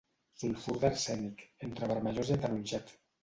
Sulfur d'arsènic, entre vermellós i ataronjat.